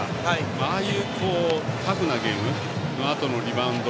ああいうタフなゲームのあとのリバウンド。